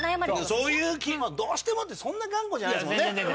そういう「どうしても」ってそんな頑固じゃないですもんね。